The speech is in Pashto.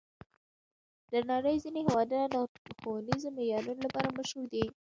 د نړۍ ځینې هېوادونه د ښوونیزو معیارونو لپاره مشهور دي.